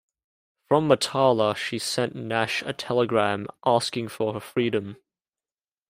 From Matala, she sent Nash a telegram asking for her freedom.